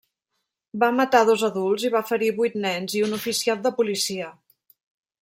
Va matar dos adults i va ferir vuit nens i un oficial de policia.